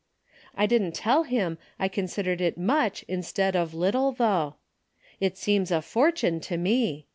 I didn't tell him I considered it much instead of little, though. It seems a fortune to me.